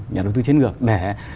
nhà đầu tư chiến lược để